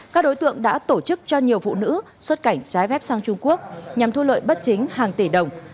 các đối tượng đã tổ chức cho nhiều phụ nữ xuất cảnh trái phép sang trung quốc nhằm thu lợi bất chính hàng tỷ đồng